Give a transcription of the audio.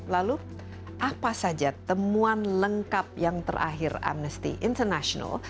lalu apa saja temuan lengkap yang terakhir amnesty international